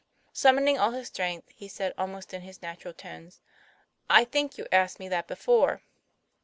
" Summoning all his strength, he said, almost in his natural tones : I think you asked me that before."